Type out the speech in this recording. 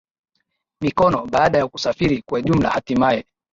mikono Baada ya kusafiri kwa jumla hatimaye